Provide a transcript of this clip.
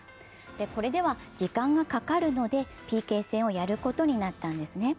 これでは時間がかかるのでＰＫ戦をやることになったんです。